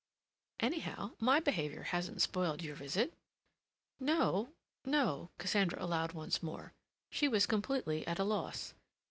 "Anyhow, my behavior hasn't spoiled your visit." "No," Cassandra allowed once more. She was completely at a loss.